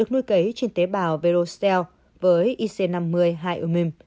nui cấy trên tế bào verocell với ic năm mươi hai umim